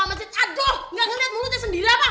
amat aduh gak ngeliat mulutnya sendiri apa